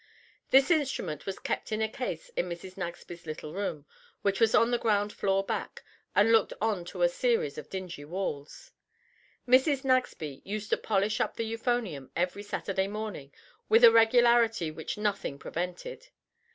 This instrument was kept in a case in Mrs. Nagsby's little room, which was on the ground floor back, and looked on to a series of dingy walls. Mrs. Nagsby used to polish up the euphonium every Saturday morning with a regularity which nothing prevented.